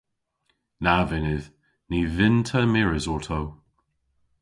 Na vynnydh. Ny vynn'ta mires orto.